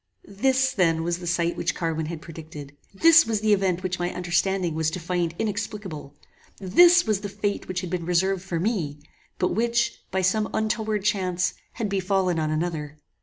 This then was the sight which Carwin had predicted! This was the event which my understanding was to find inexplicable! This was the fate which had been reserved for me, but which, by some untoward chance, had befallen on another!